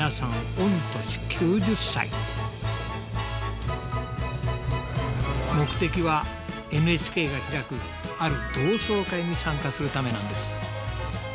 御年目的はＮＨＫが開くある同窓会に参加するためなんです。